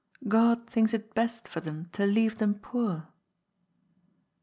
" God thinks it best for them to leave them poor."